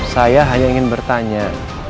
saya hanya ingin bertanya